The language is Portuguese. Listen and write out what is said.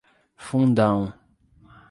Fundão